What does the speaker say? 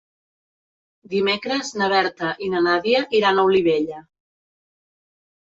Dimecres na Berta i na Nàdia iran a Olivella.